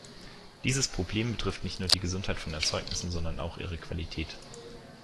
Dieses Problem betrifft nicht nur die Gesundheit von Erzeugnissen, sondern auch ihre Qualität.